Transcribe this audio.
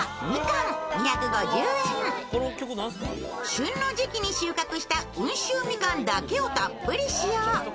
旬の時期に収穫した温州みかんだけをたっぷり使用。